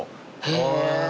へえ。